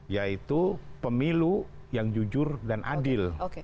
yaitu pemilu yang jujur dan adil